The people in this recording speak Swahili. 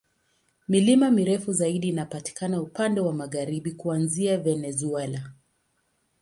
Milima mirefu zaidi inapatikana upande wa magharibi, kuanzia Venezuela.